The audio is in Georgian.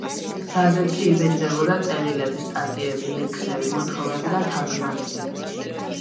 გაზეთში იბეჭდებოდა წერილები, სტატიები, ლექსები, მოთხრობები და თარგმანები.